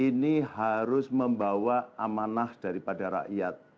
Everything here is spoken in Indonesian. ini harus membawa amanah daripada rakyat